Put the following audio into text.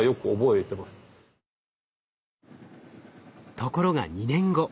ところが２年後。